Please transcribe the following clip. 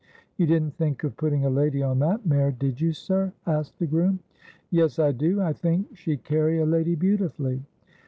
' You didn't think of putting a lady on that mare, did you, sir ?' asked the groom. ' Yes, I do. I think she'd carry a lady beautifully.'